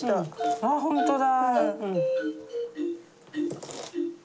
あっ本当だ！